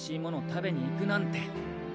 食べに行くなんて。